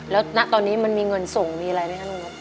แล้วณตอนนี้มันมีเงินส่งมีอะไรไหมครับลุงครับ